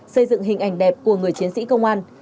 xây dựng hình ảnh đẹp của người chiến sĩ công an